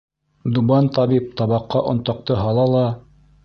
Дубан табип табаҡҡа онтаҡты һала ла: